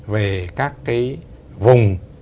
về các cái vùng